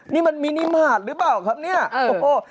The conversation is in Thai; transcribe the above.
นี่มันมินิมาตรหรือเปล่าครับเนี่ยโอ้โห